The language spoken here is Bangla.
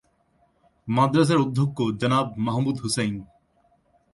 মাদ্রাসার অধ্যক্ষ জনাব মাহমুদ হুসাইন।